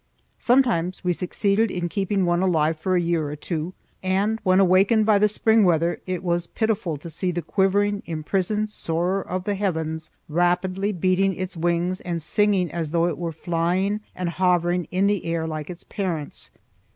Sometimes we succeeded in keeping one alive for a year or two, and when awakened by the spring weather it was pitiful to see the quivering imprisoned soarer of the heavens rapidly beating its wings and singing as though it were flying and hovering in the air like its parents.